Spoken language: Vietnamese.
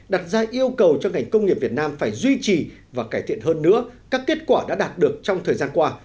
đặt ra yêu cầu cho ngành công nghiệp việt nam phải duy trì và cải thiện hơn nữa các kết quả đã đạt được trong thời gian qua